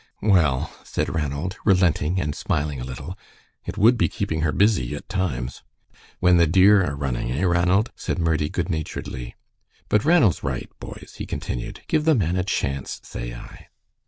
"Well," said Ranald, relenting and smiling a little, "it would be keeping her busy at times." "When the deer are running, eh, Ranald," said Murdie, good naturedly. "But Ranald's right, boys," he continued, "give the man a chance, say I."